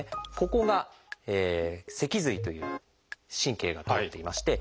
ここが脊髄という神経が通っていまして